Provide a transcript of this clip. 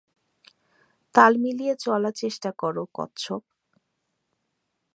তাল মিলিয়ে চলার চেষ্টা করো, কচ্ছপ।